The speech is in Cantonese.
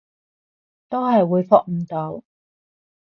都係回覆唔到